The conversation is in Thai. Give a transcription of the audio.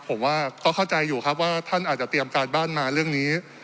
ผมว่าเขาเข้าใจอยู่ครับว่าท่านอาจจะเตรียมการบ้านมาเรื่องนี้